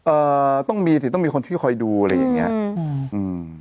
เอ่อต้องมีสิต้องมีคนช่วยคอยดูอะไรอย่างเงี้ยอืมอืม